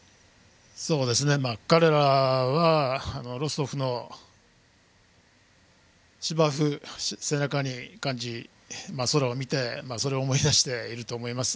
彼らはロストフの芝生を背中に感じ空を見てそれを思い出していると思います。